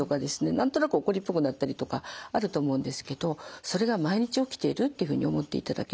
何となく怒りっぽくなったりとかあると思うんですけどそれが毎日起きているっていうふうに思っていただけるといいかなと思います。